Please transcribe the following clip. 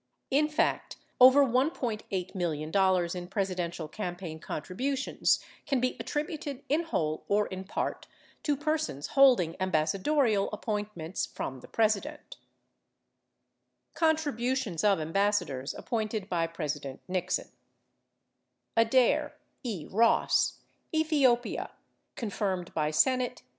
In fact, over $1.8 million in Presidential campaign contributions can be attributed in whole, or in part, to persons holding ambassadorial appointments from the President : CONTRIBUTIONS OF AMBASSADORS APPOINTED BY PRESIDENT NIXON Name Post Date Pre Post confirmed Apr. 7, Apr.